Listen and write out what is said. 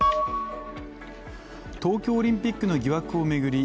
東京オリンピックの疑惑を巡り